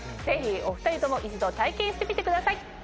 ぜひお２人とも一度体験してみてください。